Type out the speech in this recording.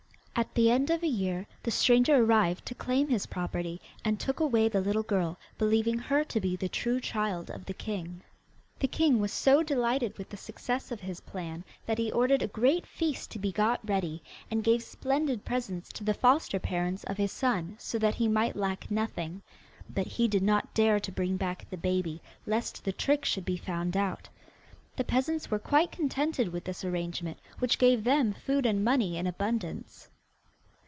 At the end of a year, the stranger arrived to claim his property, and took away the little girl, believing her to be the true child of the king. The king was so delighted with the success of his plan that he ordered a great feast to be got ready, and gave splendid presents to the foster parents of his son, so that he might lack nothing. But he did not dare to bring back the baby, lest the trick should be found out. The peasants were quite contented with this arrangement, which gave them food and money in abundance.